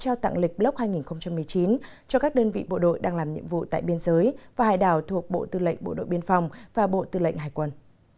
bộ thông tin và chủ tịch nước nguyễn phú trọng đã tổ chức lễ trao tặng lịch block hai nghìn một mươi chín cho các đơn vị bộ đội đang làm nhiệm vụ tại biên giới và hải đảo thuộc bộ tư lệnh bộ đội biên phòng và bộ tư lệnh hải quân